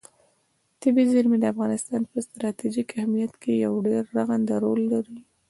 طبیعي زیرمې د افغانستان په ستراتیژیک اهمیت کې یو ډېر رغنده رول لري.